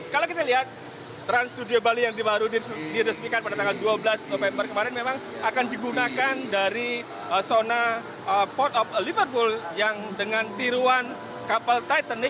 kalau kita lihat trans studio bali yang baru diresmikan pada tanggal dua belas november kemarin memang akan digunakan dari zona port of liverpool yang dengan tiruan kapal titanic